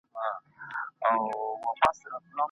آیا حکومت د وچو مېوو له سوداګرو سره مرسته کوي؟.